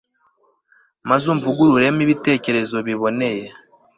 maze umvugururemo ibitekerezo biboneye